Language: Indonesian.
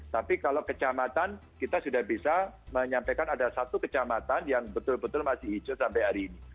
tapi kalau kecamatan kita sudah bisa menyampaikan ada satu kecamatan yang betul betul masih hijau sampai hari ini